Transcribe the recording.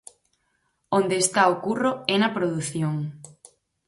Onde está o curro é na produción.